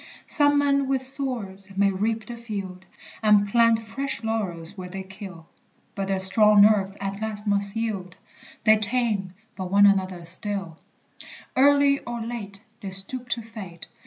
Some men with swords may reap the field, And plant fresh laurels where they kill; But their strong nerves at last must yield; They tame but one another still: Early or late, They stoop to fate.